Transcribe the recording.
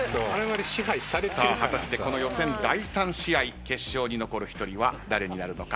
果たしてこの予選第３試合決勝に残る１人は誰になるのか？